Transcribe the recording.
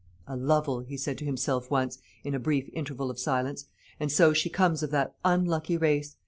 "A Lovel," he said to himself once, in a brief interval of silence; "and so she comes of that unlucky race.